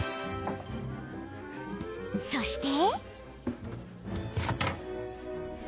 ［そして］